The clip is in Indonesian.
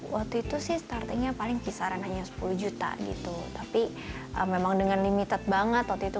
waktu itu sih startingnya paling kisaran hanya sepuluh juta gitu tapi memang dengan limited banget waktu itu